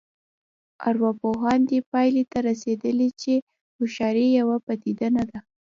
ارواپوهان دې پایلې ته رسېدلي چې هوښیاري یوه پدیده نه ده